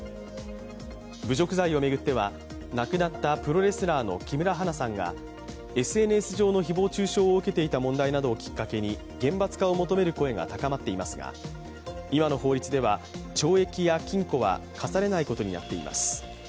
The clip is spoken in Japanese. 侮辱罪を巡っては亡くなったプロレスラーの木村花さんがＳＮＳ上の誹謗中傷を受けていた問題などをきっかけに厳罰化を求める声が高まっていますが、今の法律では、懲役や禁錮は科されないことになっています。